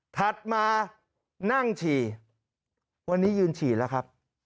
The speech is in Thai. ถัดมานั่งฉี่วันนี้ยืนฉี่แล้วครับ